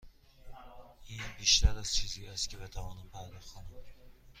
این بیشتر از چیزی است که بتوانم پرداخت کنم.